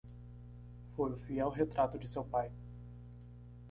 Foi o fiel retrato de seu pai.